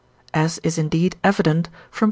As is indeed evident from V.